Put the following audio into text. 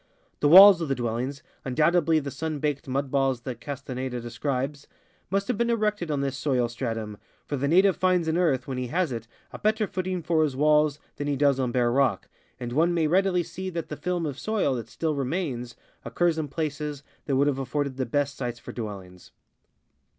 The walls of the dwellings, undoubtedly of the sun baked mud balls that Castaheda describes, must have been erected on this soil stratum, for the native finds in earth, when he has it, a bet ter footing for his walls than he does on bare rock, and one may readily see that the film of soil that still remains occurs in places that would have afforded the best sites for dwellings.